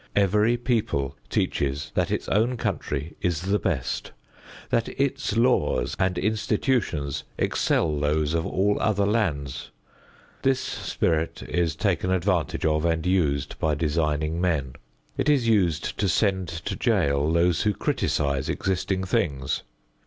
Every people teaches that its own country is the best; that its laws and institutions excel those of all other lands. This spirit is taken advantage of and used by designing men. It is used to send to jail those who criticise existing things.